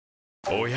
おや？